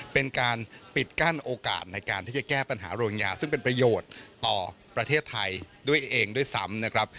เป็นการปิดกั้นโอกาสในการที่จะแก้ปัญหาโรงยาซึ่งเป็นประโยชน์ต่อประเทศไทยด้วยเองด้วยซ้ำนะครับ